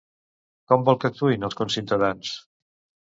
Com vol que actuïn els conciutadans?